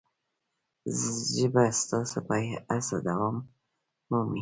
ژبه ستاسو په هڅه دوام مومي.